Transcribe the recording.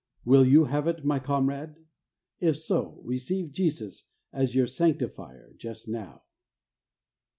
Will you have it, my comrade ? If so, receive Jesus as your Sanctifier just now.